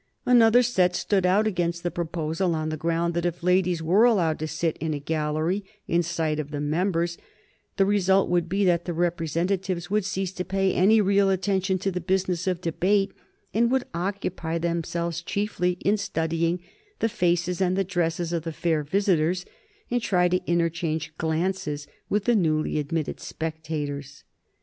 Another set stood out against the proposal on the ground that if ladies were allowed to sit in a gallery in sight of the members, the result would be that the representatives would cease to pay any real attention to the business of debate, and would occupy themselves chiefly in studying the faces and the dresses of the fair visitors, and trying to interchange glances with the newly admitted spectators.